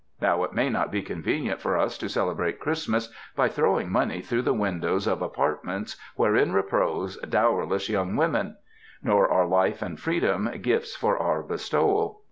Now, it may not be convenient for us to celebrate Christmas by throwing money through the windows of apartments wherein repose ART OF CHRISTMAS GIVING dowerless young women. Nor are life and freedom gifts for our bestowal.